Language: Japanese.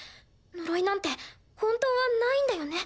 呪いなんて本当はないんだよね？